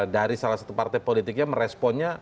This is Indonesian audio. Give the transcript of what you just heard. dari salah satu partai politiknya meresponnya